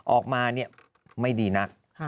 ออกมานี่ไม่ดีหนัก